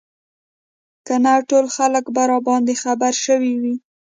که نه ټول خلک به راباندې خبر شوي وو.